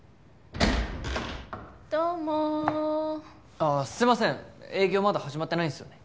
あっすいません営業まだ始まってないんですよね。